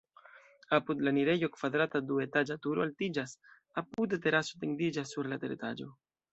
Apud la enirejo kvadrata duetaĝa turo altiĝas, apude teraso etendiĝas sur la teretaĝo.